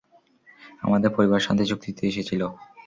আমাদের পরিবার শান্তি চুক্তিতে এসেছিল।